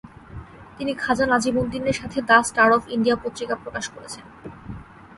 তিনি খাজা নাজিমুদ্দিনের সাথে দ্য স্টার অব ইন্ডিয়া পত্রিকা প্রকাশ করেছেন।